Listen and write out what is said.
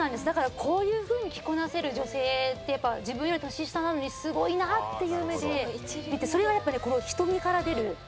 だからこういう風に着こなせる女性ってやっぱり自分より年下なのにすごいなっていう目で見てそれはやっぱりねこの瞳から出る。